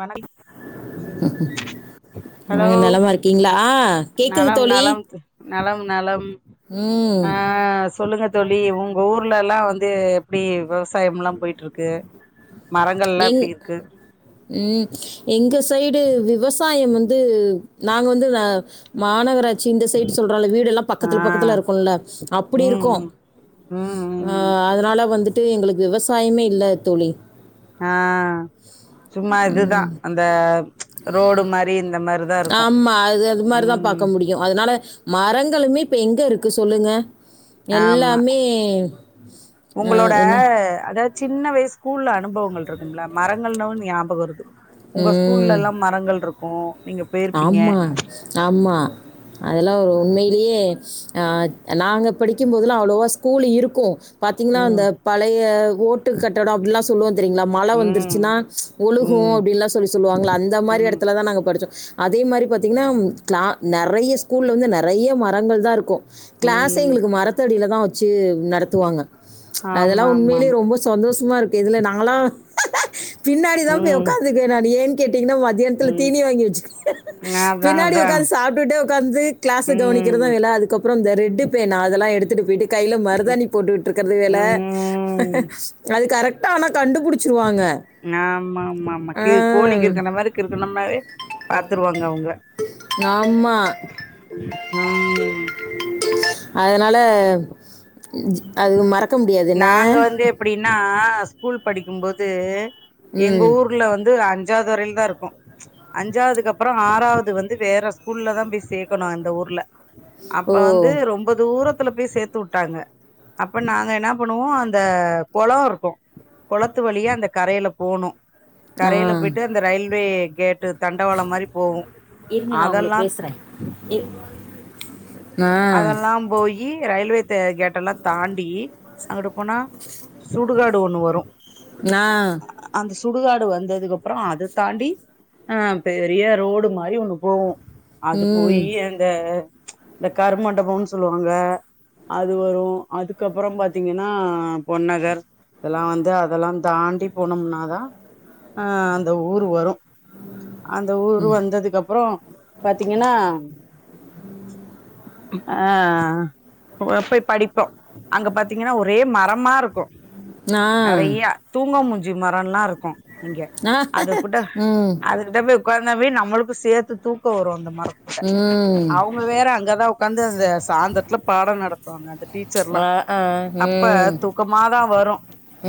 வன ஹலோ நீங்க நலமா இருக்கீங்ளா கேக்குது நலம் தோழி நலம் நலம் நலம் ம் ஆ சொல்லுங்க தோழி உங்க ஊர்லெல்லா வந்து எப்டி விவசாயம்ல்லா போய்ட்ருக்கு மரங்கள்லா எங் எப்டி இருக்கு ம் எங்க சைடு விவசாயம் வந்து நாங்க வந்து மாநகராட்சி இந்த சைடு சொல்றோல வீடெல்லா ஆ பக்கத்துல பக்கத்துல இருக்கோல அப்புடி ம் இருக்கோ ம் ம் அ ம் அதனால வந்துட்டு எங்குளுக்கு விவசாயமே இல்ல தோழி ஆ சும்மா இதுதா அந்த ரோடு மாரி இந்த மாரி இருக் ஆமா அது அது மாதிரிதா பாக்க முடியு அதனால மரங்களுமே இப்ப எங்க இருக்கு சொல்லுங்க ஆமா எல்லாமே ஆ, உங்களோட என்ன அதாவது சின்ன வயசு ஸ்கூல்ல அனுபவங்கள் இருக்கூம்ல மரங்கள்னுவோ ஞாபகோ வருது உங்க ம் ஸ்கூல்லலா மரங்கள் இருக்கோ நீங்க போயிருப்பீங்க ஆமா அதெல்லா ஒரு உண்மையிலேயே அ நாங்க படிக்கும்போதெல்லா அவ்வளோவா ஸ்கூலு இருக்கோ பாத்தீங்ன்னா அந்த ம் பழைய ஓட்டு கட்டடோ அப்டீல்லா சொல்லுவோ தெரியுங்களா மழை ம் வந்துருச்சுன்னா ஒழுகோ ம் அப்டீன்லா சொல்லி சொல்லுவாங்களா அந்த மாரி ம் எடத்துலதா நாங்க படிச்சோ அதே மாரி பாத்தீங்ன்னா கிளா நறைய ஸ்கூல்ல வந்து நறைய மரங்கள்தா இருக்கோ கிளாஸே ம் எங்களுக்கு மரத்தடியிலதா வெச்சு நடத்துவாங்க அதெல்லா ஆமா ஆமா உண்மையிலயே ஆமா ரொம்ப சந்தோஷமா இருக்கு இதுல நாங்களா பின்னாடிதா போய் ம் ஒக்காந்துக்க நா ஏ கேட்டீங்கன்னா ம ஏ எத்துல ம் தீனி வாங்கி வெச்சு அதா பின்னாடி அதா ம் ஒக்காந்து சாப்ட்டுட்டே ஒக்காந்து கிளாஸ கவனிக்கிறதுதா வேல அதுக்கப் அப்புறோ இந்த ரெட்டு பேனா அதெல்லா எடுத்துட்டு போயிட்டு கையில மருதாணி போட்டுகிட்டு இருக்கறது வேல ம் அது கரெக்டா ஆனா கண்டுபுடிச்சிருவாங்க ஆமா ஆமா ஆமாக்கு கி கோழிக்கிருக்கன மாரிக்கிருக்கன மாரி பாத்துருவாங்க அவுங்க ஆமாம் ம் அதனால அது மறக் நாங்க வந்து எப்படின்னா ஸ்கூல் படிக்கும்போது எங்க ம் ஊர்ல வந்து அஞ்சாவது வரையில தா இருக்கோ அஞ்சாவதுக்கப்புறோ ஆறாவது வந்து வேற ஸ்கூல்லதா போய் சேக்கணோ அந்த ஊர்ல அப்ப ஓ வந்து ரொம்ப தூரத்துல போய் சேத்து வுட்டாங்க அப்ப நாங்க என்னா பண்ணுவோ அந்த கொளோ இருக்கோ கொளத்து வழியா அந்த கரையில போணோ ஆ கரையில போயிட்டு அந்த ரயில்வே கேட்டு தண்டவாளம் மாரி போகோ அதெல்லா இ அதெல்லா போயி ரயில்வே தெ கேட்டெல்லா தாண்டி அங்குட்டு போனா சுடுகாடு ஒண்ணு வரு நா அந்த சுடுகாடு வந்ததுக்கப்புறோ அத தாண்டி ஆ பெரிய ரோடு மாரி ஒண்ணு போவோ அது ம் போயி அந்த இந்த கருமண்டபோன்னு சொல்லுவாங்க அது வரோ அதுக்கப்புறோ பாத்தீங்கன்னா பொன்னகர் இதெல்லா வந்து அதெல்லா தாண்டி போனோம்னாதா அ அந்த ஊரு வரோ அந்த ஊரு வந்ததுக்கப்புறோ பாத்தீங்கன்னா ஆ போ போய் படிப்போ அங்க பாத்தீங்கன்னா ஒரே மரமா இருக்கோ ஆ நறையா தூங்க மூஞ்சி மரோல்லா இருக்கோ இங்க அது கூட்ட ம் அது கிட்ட போய் ஒக்காந்தாவே நம்மளுக்கோ சேத்து தூக்கோ வரோ அந்த மரத்துட்ட ம் அவுங்க வேற அங்காத உக்காந்து அந்த சாந்தறத்துல பாடம் நடத்துவாங்க அது டீச்சர்லா ஆ ஆ அப்ப ம் தூக்கமாதா வரு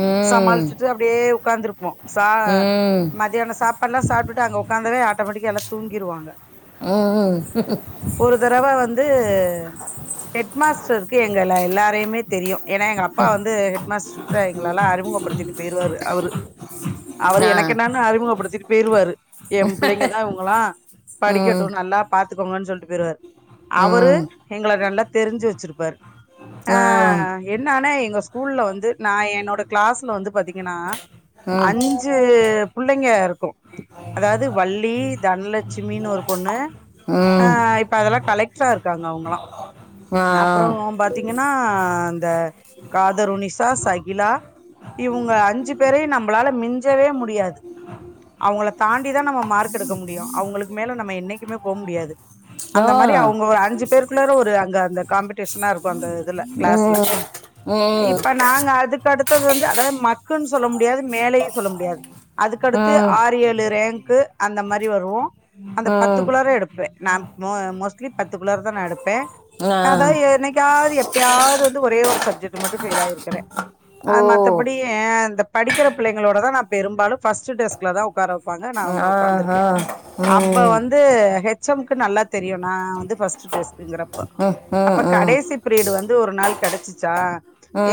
ம் ம் சமாளிச்சுட்டு அப்டியே உக்காந்துருப்போ சா ம் மத்தியானோ சாப் ல்லா சாப்ட்டுட்டு அங்க ஓக்காந்தாவே ஆட்டோ மேட்டிக்கா எல்லோரு தூங்கிர் வாங்க ம் இந்த தடவ வந்து ஹெட் மாஸ்டருக்கு எங்கள எல்லாரையுமே தெரியு ஏன்னா எங்க அப்பா வந்து ஹெட் மாஸ் இப்ப எங்களலா அறிமுகப்படுத்திட்டு போயிருவாரு அவரு அவரு ஆ எனக்கென்னன்னு அறிமுகப்படுத்திட்டு போயிருவாரு ஏ பிள்ளைங்கதா இவுங்களா ம் படிக்கட்டு நல்லா பாத்துக்கோங்கன்னு சொல்ட்டு போயிருவாரு அவரு ம் எங்கள நல்லா தெரிஞ்சு வச்சிருப்பாரு ஆ என்ன ஆனா எங்க ஸ்கூல வந்து நா என்னோட கிளாஸ்ல வந்து பாத்திங்கன்னா ஓ அஞ்சு புள்ளைங்கருக்கு அதாவது வள்ளி தனலட்சுமீனு ஒரு பொண்ணு ம் ஆ ம் இப்ப அதெல்லா கலை ட்ரா இருக்காங்க அவுங்களா அப்புறோ பாத்தீங்கன்னா இந்த காதருனிசா சகிலா இவங்க அஞ்சு பேரையு நம்மளால மிஞ்சவே முடியாது அவங்கள தாண்டிதா நம்ம மார்க் எடுக்க முடியு அவங்களுக்கு மேல நம்ம என்னைக்குமே போ முடியாது அந்த மாரி அவங்க ஒரு அஞ்சு பேருக்குள்ளற ஒரு அங்க அந்த காம்பிடேஷனாருக்கு அந்த இதுல கிளாஸ்ல இப்ப நாங்க அதுக்கு அடுத்தது வந்து அதாவது மட்டன்னு சொல்ல முடியாது மேலையு சொல்ல முடியாது அதுக்கடுத்து ஆறு ஏழு ரேங்க்கு அந்த மாரி வரு அந்த ம் பத்துக்குள்ளார எடுப்பே நா மோ மோஸ்லி பத்துகுள்ளார தா நா எடுப்பே ம் ஆ அதாவது என்னைக்காவது எப்பயாவது வந்து ஒரே ஒரு சப்ஜெட் மட்டு ஃபெயில் ஆயிருக்குறே ஓ அது ம மத்தபடி அ படிக்கிற பிள்ளைங்களோட தா நா பெரும்பாலு ஃபரஸ்ட்டு டெஸ்க்ல தா உக்காரவேப்பாங்க நா அங்க ஆ ஆ உக்காந்துருக்கே ம் அப்ப ம் வந்து து ஹெச் எம்கு நல்லா தெரியு நா வந்து ஃபர்ஸ்ட் டெஸ்குங்கறப்போ ம் அப்ப ம் கடைசி பீரியட் வந்து ஒரு நாள் கேடச்சிச்சா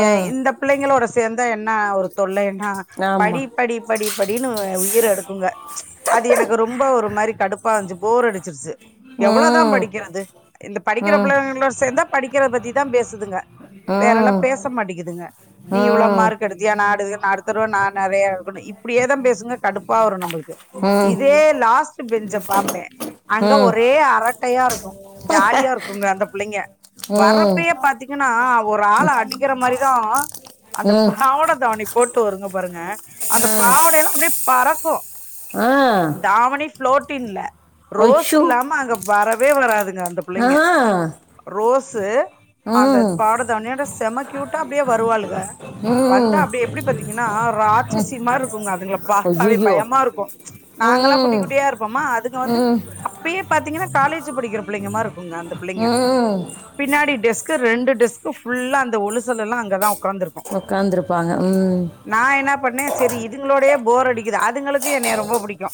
ஏ இந்த பிள்ளைங்களோட சேந்தா என்னா ஒரு தொல்லைன்னா படி ஆமாம் படி படி படின்னு உயிர் எடுக்குங்க அது எனக்கு ரொம்ப ஒரு மாரி கடுப்பா வந்துச்சு போர் அடிச்சிருச்சு எவ்ளோ தா ம் படிக்கிறது இந்த படிக்கிற ம் புள்ளைங்களோட சேந்தா படிக்கிறத பத்திதா பேசுதுங்க வேறலா ம் பேச மாட்டேங்கிதுங்க ம் நீ இவ்ளோ மார்க் எடு தியா நாடு நா அடுத்த தடவ நா நறைய எடுப்பணு இப்டி ஏதா பேசுங்க கடுப்பா வரு நம்ளுக்கு ம் இதே லாஸ்ட் பெஞ்ச பாப்பே அங்க ம் ஒரே அரட்டையாருக்கு ஜாலியாருக் அந்த புள்ளைங்க வரப்பயே பாத்தீங்கன்னா ஒரு ஆள அடிக்கிற மாரிதா அந்த ம் ம் பாவட தவணி போட்டு வருங்க பாருங்க அந்த பாவடெல்லா அப்டியே பறக்கு ஆ தாவணி ஃப்ளோட்டின்ல அச்சோ ரோஸ்யில்லாம அங்க வரவே வராதுங்க அந்த ஆ புள்ளைங்க ரோஸு அந்த ம் பாட தவனியோட செம க்யூட்டா அப்டியே வருவாளுங்க வந்தா ம் அப்டி எப்டி பாத்தீங்கன்னா ராட்சசி மார்ருக்குங்க அதுங்கள பாத்தாவே ஐயோ பயமாருக்கு நாங்கல்லா குட்டி ம் குட்டியா இருப்போமா அதுங்க வந்து ம் அப்பயே பாத்தீங்கன்னா காலேஜ் படிக்கிற புள்ளைங்க மார் இருக்கும்ங்க அந் ம் பின்னாடிடெஸ்கு ரெண்டு டெஸ்கு ஃபுல்லா அந்த ஒலுசலல்லா அங்க தா ஓக்காந்துருக் ஓகாந்துதிருப்பாங்க ம் நா என்ன பண்ணே சேரி இதுங்களோடையே போர் அடிக்குது அதுங்களுக்கு என்னை ரொம்ப புடிக்கு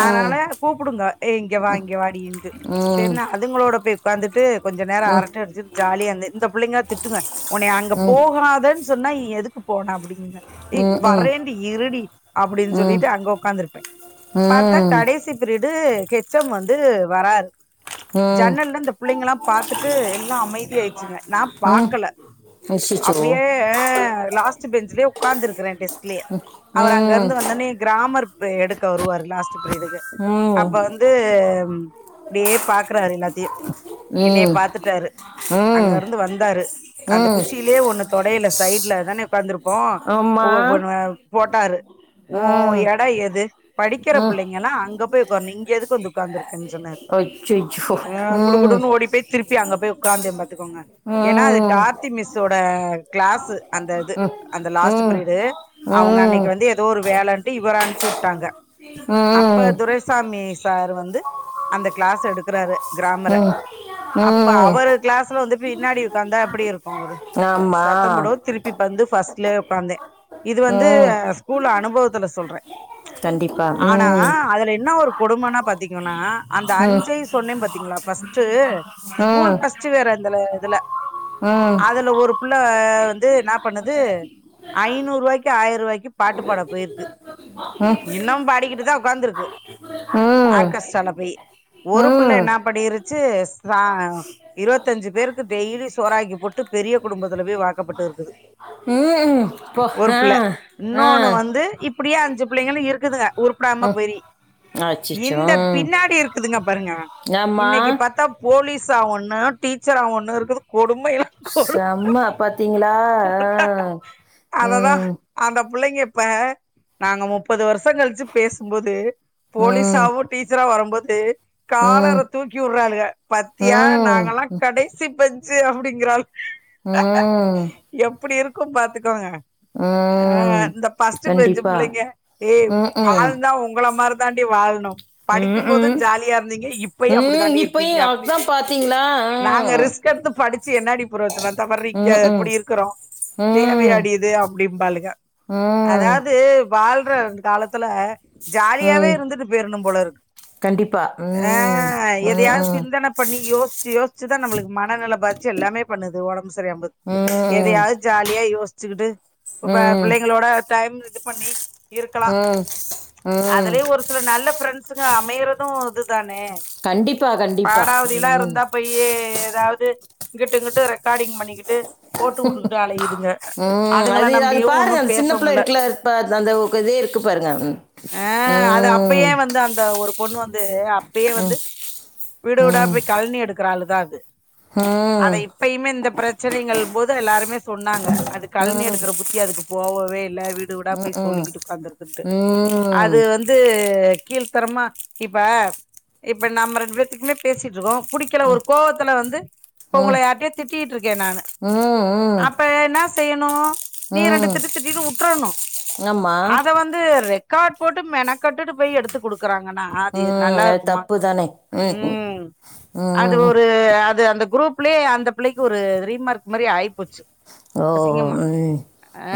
ம் அதனால கூப்பிடுங்க ஏ இங்க வா வாடின்ந்து ம் ம் சேரினா அதுங்களோட போய் ஓகாந்துட்டு கொஞ்ச நேரோ ம் ம் ம் அரட்ட அடிச்சுட்டு ஜாலியாந்து இந்த புள்ளைங்களா திட்டுங்க உன்னய அங்க போகாதன்னு சொன்னா எதுக்கு போன அப்டிங்குக ஏ ம் வரேண்டி இருடி அப்டின்னு சொல்லிட்டு அங்க உக்காந்துருப்பே பார்த்தா ம் கடைசி ப்ரீடு கெச்சம் வந்து வராரு ம் ஜன்னல இந்த புள்ளைங்கல்லா பாத்துட்டு எல்லா அமைதியா ஆயிடுச்சுங்க நா ம் பாக்கல அச்சோ அப்டியே அ லாஸ்ட் பெஞ்ச்லயே உட்கார்ந்து இருக்கிறே டெஸ்கலயே அவர் அங்க ம் இருந்து வந்த வுனே கிராமர் எடுக்க வருவாரு லாஸ்ட் பிரிடுக்கு ம் அப்ப ம் வந்து இப்டியே பாக்குறாரு எல்லாத்தையு என்னைய ம் பாத்துட்டாரு அங்க இருந்து வந்தாரு அந்த ம் குச்சிய லயே ஒண்ணு தொடைல சைட்ல தானே உடக்காந்துருப்போ உ அம்மா ஒன்னு போட்டாரு ஓ ம் ஏட எது படிக்கிற ம் புள்ளைங்கல்லா அங்க போயி உக்காருனு இங்க எதுக்கு வந்து உட்காந்துருக்குன்னு சொன்னாரு [inaudible] ஆ ம் குடுகுடுன்னு ஓடி போய் திருப்பி அங்க போய் உட்கார்ந்த பாத்துக்கோங்க ம் எனா அது ம் டார்த்தி மிஸ்ஸோட கிளாஸ் அந்த இது ம் அந்த லாஸ்ட் ம் பீரிடு அவுங்க அன்னைக்கு வந்து எதோ ஒரு வேலைன்ட்டு இவர அனுப்ச்சு விட்டாங்க அப்ப ம் துரை சாமி சார் வந்து அந்த கிளாஸ் எடுக்கறாரு கிராமர ம் அப்ப ம் அவரு கிளாஸ்ல வந்து பின்னாடி உட்காந்தா எப்டி இருக்கு அவரு ஆமா சத்தம் போடு திருப்பி ப வந்து பர்ஸ்ட்ல உட்காந்தே இது வந்து ம் ஸ்கூல் அனுபவத்துல சொல்றே கண்டிப்பா ஆனா ம் அதுல என்ன ஒரு கொடுமன்னா பாத்தீங்கன்னா அந்த ம் ம் ம் அஞ்சையு சொன்னே பாத்தீங்களா பஸ்ட்டு ம் ஸ்கூல்ஸ் பஸ்ட் டு வேற இந்ததுல இதுல அதுல ஒரு புள்ள வந்து என பண்ணுது ஐநூறுவாய்க்கு ஆயர்வாய்க்கு பாட்டுபாட போயிருக்கு ம் ம் ம் இன்னுமபாடிக்கிட்டு தா உக்காந்துருக்கு ஆர்கஸ்ட்ரால போயி ஒரு புள்ள என்ன பன்னிருச்சு ச இருபத்தஞ்சு பேருக்கு டெய்லி சோறாக்கி போட்டு பெரிய குடும்பத்துல போய் வாக்கப்பட்டு இருக்குது ம் போ ஒரு ஆ பிள்ள ஆ இன்னொன்னு வந்து இப்டியே அஞ்சு புள்ளைங்களு இருக்குதுங்க உருப்பிடாம ம் போயி அச்சச்சோ இந்த ம் பின்னாடி இருக்குதுங்க பாருங்க ஆமா இன்னைக்கு போலீஸ்ஸா ஒண்ணு டீச்சரா ஒண்ணு இருக்குது கொடுமைல்ல செம்ம பாத்தீங்களா ஆ அததான் ம் அந்த புள்ளைங்கப்ப நாங்க முப்பது வருஷோ கழிச்சு பேசுபோது ம் போலீஸாவு டீச்சராவு வரும்போது ம் ம் காலரத்தூக் கிடுறாளுக பாத்தியா நாங்கல்லா கடைசி பெஞ்சு அப்டிங்கறாள் உம் எப்டி இருக்கு பாத்துக்கோங்க அ ம் இந்த பஸ்ட்ட் பெஞ்சு கண்டிப்பா புள்ளைங்க ஏய் ம்ஹ்ம் வாழ்ந்தா உங்கள மாரி தாண்டி வாழணு படிக்கு போது ம்ஹ்ம் ஜாலியா இருந்தீங்க இப்பயு அப் ம் படிதாண்டி இப்பயு இருக்கீங்க அப்டின்னு அதான் பாத்தீங்களா நாங்க ம் ரிஸ்க் எடுத்து படிச் சி என்னாடி புரயோசனோ இந்த பார்ரி ம்ஹ்ம் இப்டி இருக்கிறோ ம் தேவையாடியிது அப்டிம்பாளுங்க ம் அதாவது வாழ்ற காலத்துல ஜாலியாவே ம் இருந்துட்டு போயிரணும் போல இருக் கண்டிப்பா ஆ ம் எதையாவது ம்ஹ்ம் சிந்தனை பண்ணி யோசிச்சு யோசிச்சுதா நம்மளுக்கு மனநில பாதிச்சு எல்லாமே பண்ணுது ஒடம்பு சரியாம்போது ம் ம் எதயாவது ஜாலியா யோசிச்சுக்கிட்டு இப்ப ம் பிள்ளைங்களோட டைம் இது பண்ணி இருக்கலாம் ம் அதுலயும் ஒரு சில நல்ல ஃப்ரெண்ட்ஸுங்க அமையறதும் இதுதானே கண்டிப்பா கண்டிப்பா ம் அப்டியே ஏதாவது இங்கிட்டு இங்கிட்டு ரெக்கார்டிங் பண்ணிக்கிட்டு போட்டு வுட்டுக்கிட்டு அலையுதுங்க ம் அதுங்கள அது அது நம்பியு ஒன்னு பாருங்க அந்த பேச சின்ன பிள்ள முல்ல இருக்குல அத் பாருங் அந்த ஒர் பதோ இருக்கு பாருங்க அ அது ம் அப்பயே வந்து அந்த ஒரு பொண்ணு வந்து அப்பயே வந்து வீடு வீடா ம் போய் கழனி எடுக்கற ஆளுதா அது ம் எப்பயுமே இந்த பிரச்சனைகள் போது எல்லாருமே சொன்னாங்க அது கழனி எடுக்கிற புத்தி அதுக்கு போகவே இல்ல வீடு வீடா ம் போய் ம் சொல்லிக்கிட்டு உக்காந்து இருக்கறது அது ம் வந்து இது கீழ்த்தரமா இப்ப இப்ப நம்ம ரெண்டு பேர்த்தக்குமே பேசிட்டு இருக்கோ புடிக்கல ஒரு கோவத்துல வந்து உங்கள ம் யாரிட்டையே திட்டிட்டு இருக்கே நானு ம் ம் அப்ப என்ன செய்யணூ நீ ரெண்டு திட்டு திட்டிட்டு வுட்டுரோணூ ஆமா இது ரெக்கார்ட் போட்டு மெனக்கட்டுட்டு போய் எடுத்து குடுக்குறாங்கன்னா அது நல்லா இருக்குமா ப்பு தானோ ம் அது ஒரு அது அந்த குரூப் லயே அந்த பிள்ளைக்கு ஒரு ரீமார்க் மாரி ஆயி போச்சு ஓ அசிங்கம்மா ம்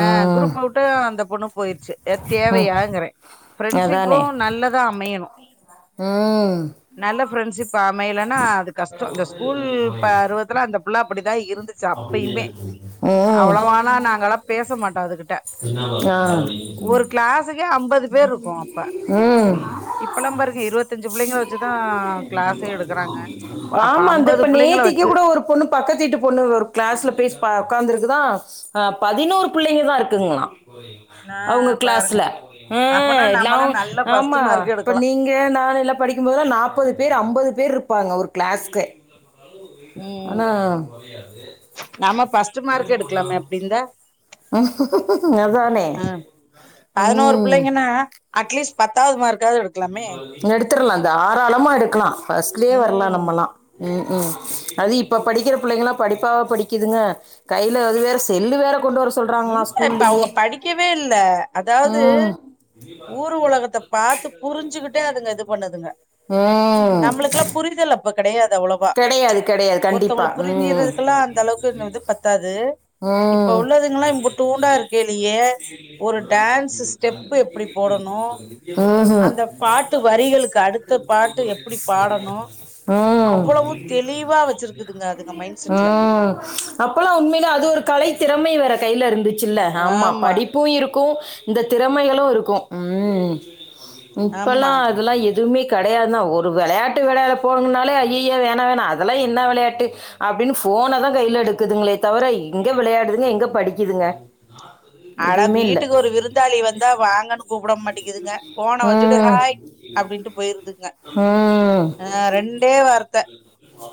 ஆ ம் குரூப் மா வுட்டு அந்த பொண்ணு போயிருச்சு இத் ம் தேவையாங்கறே ஃப்ரெண்ட்ஷிப்பு அதானே நல்லதா அமையணூ ம் நல்ல ஃப்ரெண்ட்ஷிப் அமையலைன்னா அது கஷ்ட இந்த ஸ்கூல் பருவத்தல்ல அந்த புள்ள அப்படிதா இருந்துச்சு அப்பயுமே ம் அவ்வளோவோனா நாங்கல்லா பேசமாட்டோ அதுகிட்ட ஆ அ ஒரு கிளாஸ்க்கே அம்பது பேர் இருக்கோ அப்ப ம் இப்பெல்லா பாருங்க இருத்தஞ்சு புள்ளைங்க வெச்சு தா கிளாஸ் எடுக்கறாங்க அப்ப ஆமா அந்த ஐம்பது இப்ப புள்ளைங்கள நேத்திக்கு வெச்சு கூட ஒரு பொண்ணு பக்கத் வீட்டு பொண்ணு ஒரு கிளாஸ்ல போய் பே உக்காந்து இருக்குதா அ பதினோரு புள்ளைங்க தா இருக்குங்களா ஆ அவுங்க பாருங்க கிளாஸ்ல அப்பனா இஹ் நம்மல்லா லவூங் நல்ல ஃபர்ஸ்ட் ஆம்மா மார்க் இப்ப எடுக்கலா நீங் ங்க நா எல்லா படிக்கும்போதுல்லா நாற்பது பேர் அம்பது பேர் இருப்பாங்க ஒரு கிளாஸ்க்கே ம் ஆனா நம்ம பஃர்ஸ்ட் மார்க் எடுக்கலாம அப்படிருந்தா உம், அதானே அ பதினோரு ம் புள்ளைங்கன்னா அட்லீஸ்ட் பத்தாவது மார்க்காவது எடுக் எடுத்துர்லா தாராளமா எடுக்லா பர்ஸ்ட்லயே வரலா ம் நம்மல்லா ம் ஹூம் அது இப்ப படிக்கிற புள்ளைங்கல்லா படிப்பாவா படிக்குதுங்க கையில அது வேற செல்லு வேற கொண்டு வர சொல் இல்ல இப்ப அவங்க படிக்கவே இல்ல அதாவது ம் ஊர் உலகத்த பாத்துப் புரிஞ்சுக்கிட்டே அதுங்க இது பண்ணுதுங்க ம் நம்மளுக்கெல்லா புரிதல் அப்ப கெடையாது தவ்ளோவா கெடையாது கெடையாது கண்டிப்பா ஒருத்தவங்க ம் புரிஞ்சறதுக்கல்லா அந்த அளவுக்கு இந்த இது பத்தாது ம் லா இம்புட்டூண்டா இருக்கேலேயே ஒரு டான்ஸ்சு ஸ்டெப் எப்படி போடணு ம்ஹும் அந்த பாட்டு வரிகளுக்கு அடு த பாட்டு எப்டி பாடணு ம் அவ்ளோவு தெளிவா வச்சிருக்குதுங்க அதுங்க மைண்ட் செட்ல ம் அப்பல்லா உண்மையில அது ஒரு கலை திறமை வேற கையில இருந்துச்சுல்ல ஆமா படி பு இருக்கு இந்த திறமைகளு இருக்கு ம் இப்பல்லா ஆமா அதுல்லா எதுவுமே கெடையாதுனா ஒரு வெளையாட்டு வெளையாட போனங்கனாலே ஐய்யய்ய வேணா வேணா அதெல்லா என்ன விளையாட்டு அப்படினு ஃபோனதா கையில எடுக்குதுங்களே தவிர எங்க வெளையாடுதுங்க எங்க படிக்குதுங்க நாப்பது அட வீட்டுக்கு ஒரு விருந்தாளி வந்தா வாங்கன்னு கூப்பிட மாட்டிக்கிதுங்க போன வச்சுட்டு ம் ஹாய் அப்டின்டு போயிருதுங்க ம் அ ரெண்டே வார்த்த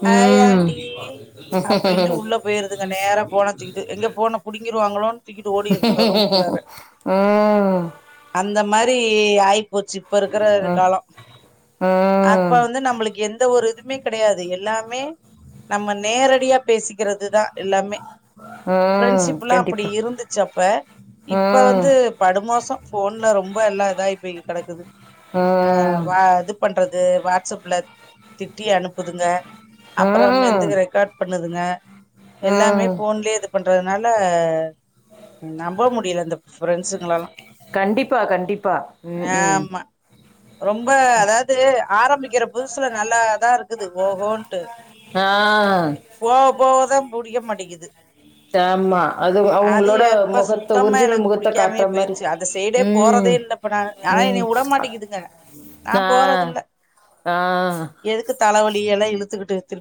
ம் ம் ஹாய் ஆண்ட்டி ம் அப்டின்ட்டு உள்ள பேயிருதுங்க நேரா போனாதூகிட்டு எங்க போன புடிங்கிருவாங்களோன் ம் அந்த மாரி ஆய் போச்சு இப்ப இருக்கிற ம் காலோ அப்ப வந்து நம்மளுக்கு எந்த ஒரு இது மே கெடையாது எல்லாமே நம்ம நேரடியா பேசிக்கிறது தா எல்லாமே ம் ஃப்ரெண்ட்ஷிப்லா அப்டி கண்டிப்பா இருந்துச்சு அப் ப இப்ப ம் வந்து படுமோசோ ஃபோன்ல ரொம்ப எல்லா இதாய் பேய் கிடக்குது ம் வ அது பண்றது வாட்ஸ்அப்ல திட்டி அனுப்புதுங்க ம் அப்பறம் வந்து ரெக்கார்ட் பண்ணுதுங்க எல்லாமே ம் ஃபோன்லயே இது பண்றதுனால ம் நம்ப முடியல இந்த ஃப்ரெண்ட்ஸுங்களல்லா கண்டிப்பா கண்டிப்பா ம் ம் ஆமா ரொம்ப அதாது ஆரம்பிக்கிற புதுசுல நல்லாதா இருக்குது ஓகோன்ட்டு ஆ போக போக தா புடிக்க மாட்டிக்குது தமா அது அவங்களோட ப முகத்த சுத்தமா ஒரிஜினல் எனக்கு முகத்த புடிக்காமே காட்டுற மாரி போயிருச்சு அந்த சைடே ம் போறதே இல்ல இப்ப நானு ஆனா ம் என்ன உட மாட்டிக்குதுங்க நா ஆ போறதில்ல ஆ எதுக்கு தல வலியல்லா இழுத்துக்கிட்டு திரு